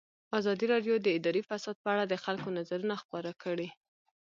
ازادي راډیو د اداري فساد په اړه د خلکو نظرونه خپاره کړي.